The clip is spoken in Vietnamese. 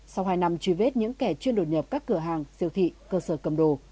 sau hai năm truy vết những kẻ chuyên đột nhập các cửa hàng siêu thị cơ sở cầm đồ